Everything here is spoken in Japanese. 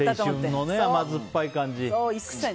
青春の甘酸っぱい感じね。